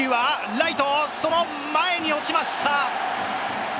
ライト、その前に落ちました！